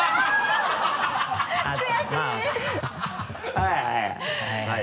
はいはい。